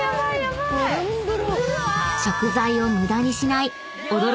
［食材を無駄にしない］